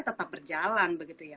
tetap berjalan begitu ya